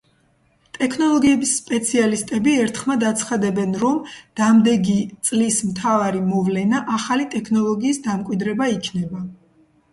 ტექნოლოგიების სპეციალისტები ერთხმად აცხადებენ, რომ დამდეგი, წლის მთავარი მოვლენა ახალი ტექნოლოგიის, დამკვიდრება იქნება.